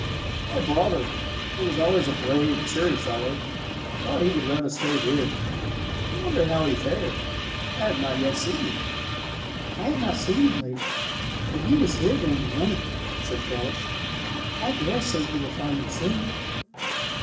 "My brother, who was always a brave, cheery fellow, thought he would rather stay here. I wonder how he fared. I have not yet seen him." "I have not seen him lately, but he was here during the winter," said Phyllis. "I dare say you will find him soon."